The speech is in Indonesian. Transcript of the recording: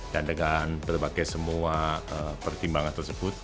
dan dengan berbagai semua pertimbangan tersebut